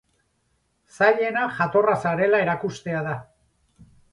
Zailena jatorra zarela erakustea da.